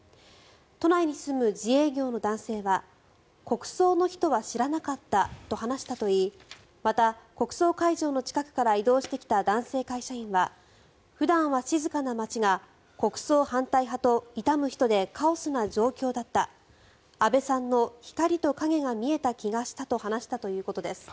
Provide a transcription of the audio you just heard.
都内に住む自営業の男性は国葬の日とは知らなかったと話したといいまた、国葬会場の近くから移動してきた会社員は普段は静かな街が国葬反対派と悼む人でカオスな状況だった安倍さんの光と影が見えた気がしたと話したということです。